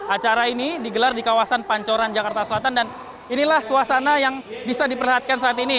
acara ini digelar di kawasan pancoran jakarta selatan dan inilah suasana yang bisa diperhatikan saat ini